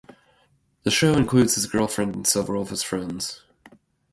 The show includes his girlfriend and several of his friends.